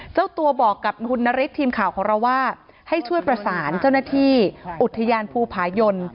เจ้าตัวบอกกับคุณนฤทธิ์ทีมข่าวของเราว่าให้ช่วยประสานเจ้าหน้าที่อุทยานภูผายน